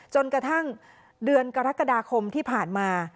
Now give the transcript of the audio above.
จนกระทั่งเดือนกรกฎาคมที่ผ่านมา